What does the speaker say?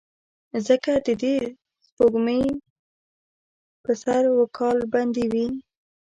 ځکه دده سپېږمې به سر وکال بندې وې.